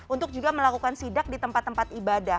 untuk juga melakukan sidak di tempat tempat ibadah